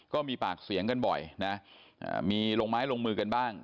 ก็มีปากเสียงกันบ่อยนะมีลงไม้ลงมือกันบ้าง